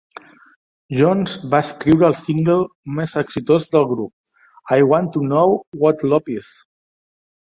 Jones va escriure el single més exitós del grup, I Want to Know What Love Is.